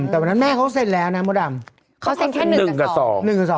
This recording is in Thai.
แต่แม่เขาเซ็นแล้วแต่อีกแย่